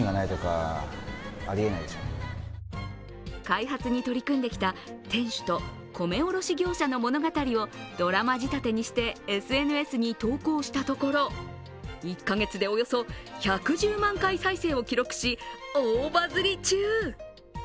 開発に取り組んできた店主と米卸業者の物語をドラマ仕立てにしてＳＮＳに投稿したところ１か月でおよそ１１０万回再生を記録し、大バズり中。